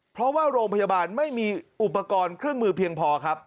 เพราะว่าโรงพยาบาลไม่มีอุปกรณ์เครื่องมือเพียงพอครับ